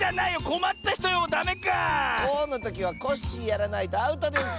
「こ」のときはコッシーやらないとアウトです。